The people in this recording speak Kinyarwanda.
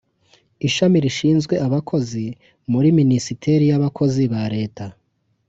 Ishami rishinzwe abakozi muri Minisiteri y’abakozi ba leta